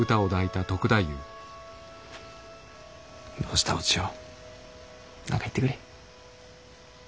どうしたお千代？何か言ってくれ。